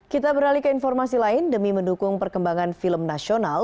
kita beralih ke informasi lain demi mendukung perkembangan film nasional